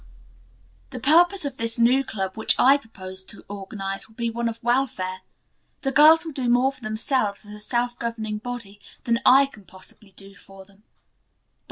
"The purpose of this new club which I propose to organize will be one of welfare. The girls will do more for themselves as a self governing body than I can possibly do for them.